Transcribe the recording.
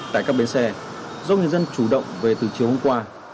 tại các bến xe dốc nhân dân chủ động về từ chiều hôm qua